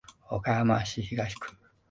岡山市東区